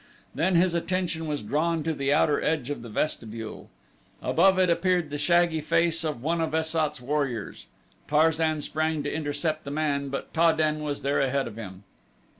Then his attention was drawn to the outer edge of the vestibule. Above it appeared the shaggy face of one of Es sat's warriors. Tarzan sprang to intercept the man; but Ta den was there ahead of him.